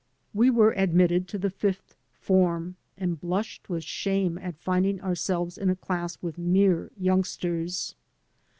We were admitted to the fifth form, and blushed with shame at finding ourselves in a class with mere young sters.